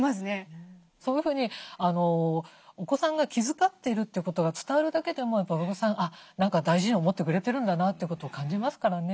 そういうふうにお子さんが気遣ってるということが伝わるだけでも親御さん何か大事に思ってくれてるんだなということを感じますからね。